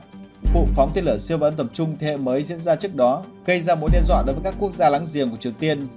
rằng vụ phóng tên lửa siêu vật âm tầm trung thế hệ mới diễn ra trước đó gây ra mối đe dọa đối với các quốc gia lắng giềng của triều tiên